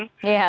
ya tentu saja